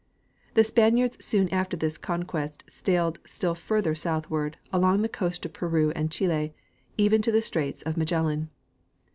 The Spaniards soon after this conquest sailed still further sout^iward, along the coast of Peru and Chili, even to the straits of Magellan.